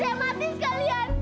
biar saya mati sekalian